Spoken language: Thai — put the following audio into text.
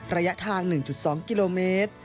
ระยะทาง๑๒กิโลเมตร